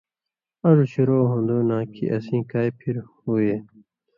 اڙوۡ شُروع ہُون٘دوۡ نا کھیں اسیں کائ پھر ہُوئے